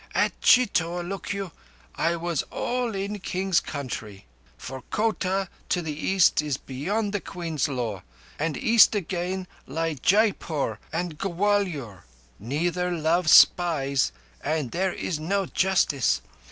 "At Chitor, look you, I was all in Kings' country; for Kotah to the east is beyond the Queen's law, and east again lie Jaipur and Gwalior. Neither love spies, and there is no justice.